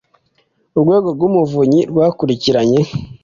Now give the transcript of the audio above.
urwego rw umuvunyi rwakurikiranye